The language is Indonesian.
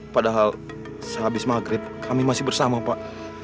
padahal sehabis maghrib kami masih bersama pak